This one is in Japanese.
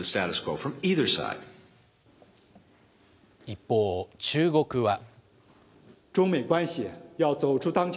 一方、中国は。